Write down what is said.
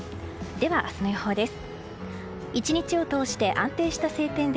明日の予報です。